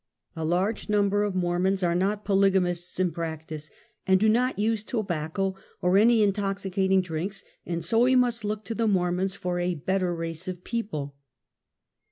A large number of Mor mons are not polygamists in practice, and do not use tobacco or any intoxicating drinks, and so we must look to the Mormons for a better race of people.